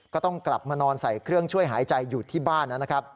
ก็ต้องกลับมานอนใส่เครื่องช่วยหายใจอยู่ที่บ้านนะครับ